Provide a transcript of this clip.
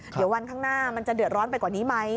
เดี๋ยววันข้างหน้ามันจะเดือดร้อนไปกว่านี้ไหม